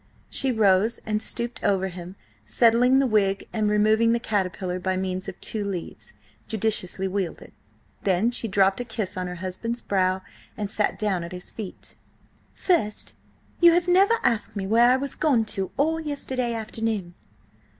She rose and stooped over him, settling the wig and removing the caterpillar by means of two leaves, judiciously wielded. Then she dropped a kiss on her husband's brow and sat down at his feet. "First, you have never asked me where I was gone to all yesterday afternoon."